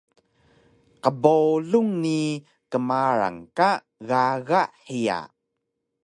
qbowlung ni kmarang ka gaga hiya